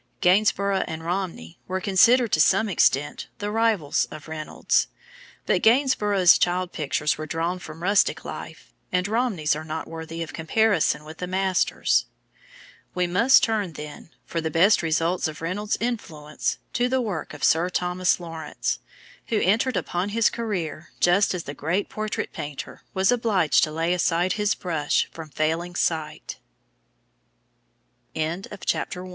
Gainsborough and Romney were considered to some extent the rivals of Reynolds, but Gainsborough's child pictures were drawn from rustic life, and Romney's are not worthy of comparison with the master's. We must turn, then, for the best results of Reynolds's influence to the work of Sir Thomas Lawrence, who entered upon his career just as the great portrait painter was obliged to lay aside h